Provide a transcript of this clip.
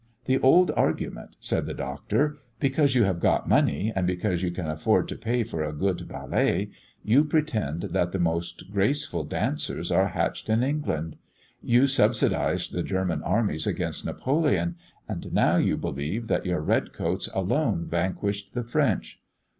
"The old argument," said the Doctor. "Because you have got money, and because you can afford to pay for a good ballet, you pretend that the most graceful dancers are hatched in England. You subsidised the German armies against Napoleon; and now you believe that your red coats alone vanquished the French.